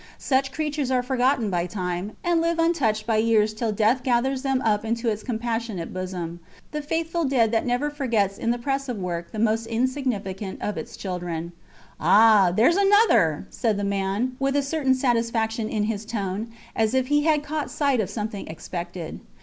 Such creatures are forgotten by time, and live untouched by years till death gathers them up into its compassionate bosom; the faithful death that never forgets in the press of work the most insignificant of its children. Ah! theres another, said the man, with a certain satisfaction in his tone, as if he had caught sight of something expected.